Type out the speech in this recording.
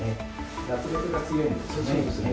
脱力が強いんですかね？